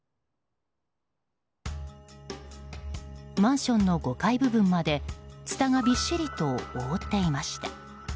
マンションの５階部分までツタがびっしりと覆っていました。